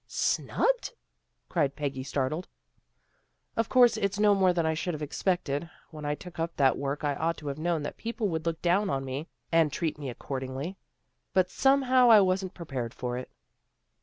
" Snubbed? " cried Peggy, startled. " Of course it's no more than I should have expected. When I took up that work, I ought to have known that people would look down on me, and treat me accordingly. But, somehow, I wasn't prepared for it."